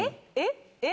「えっ？」